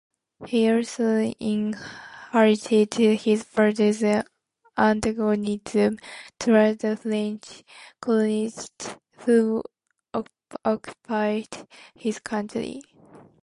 He also inherited his father's antagonism toward the French colonialists who occupied his country.